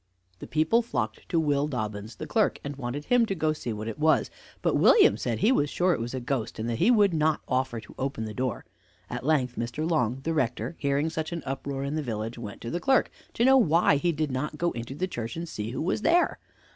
The people flocked to Will Dobbins, the clerk, and wanted him to go to see what it was; but William said he was sure it was a ghost, and that he would not offer to open the door. At length Mr. Long, the rector, hearing such an uproar in the village, went to the clerk, to know why he did not go into the church, and see who was there.